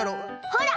ほら！